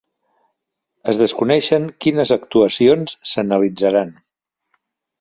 Es desconeixen quines actuacions s'analitzaran.